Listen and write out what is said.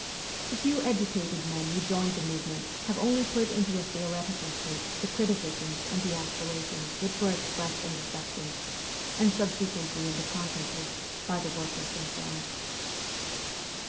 The few educated men who joined the movement have only put into a theoretical shape the criticisms and the aspirations which were expressed in the sections, and subsequently in the congresses, by the workers themselves.